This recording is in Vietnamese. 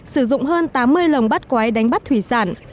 sử dụng hơn tám mươi lồng bắt quái đánh bắt thủy sản